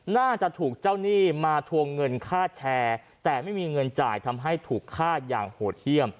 น่าจะถูกเจ้าหนี้มาทวงเงินค่าแชร์แต่ไม่มีเงินจ่ายทำให้ถูกฆ่าอย่างโหดเยี่ยม